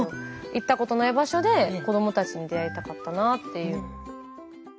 行ったことない場所で子どもたちに出会いたかったなあっていう。